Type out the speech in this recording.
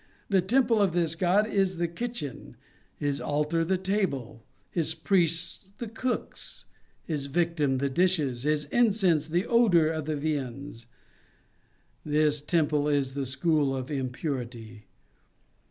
The temple of this god is the kitchen; his altar, the table; his priests, the cooks; his victim, the dishes; his incense, the odor of the viands. This tem ple is the school of impurity.